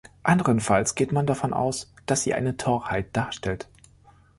Anderenfalls geht man davon aus, dass sie eine Torheit darstellt.